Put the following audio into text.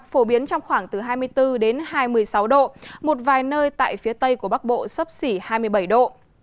phổ biến trong khoảng từ hai mươi bốn đến hai mươi sáu độ một vài nơi tại phía tây của bắc bộ sấp xỉ hai mươi bảy độ